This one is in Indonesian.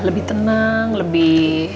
lebih tenang lebih